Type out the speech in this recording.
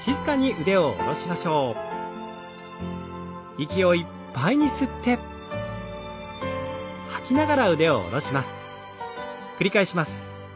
息をいっぱいに吸ってゆっくりと吐きます。